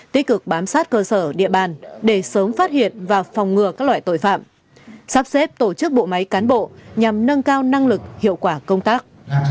tích cực bám sát cơ sở địa bàn để sớm phát hiện và phòng ngừa các loại tội phạm sắp xếp tổ chức bộ máy cán bộ nhằm nâng cao năng lực hiệu quả công tác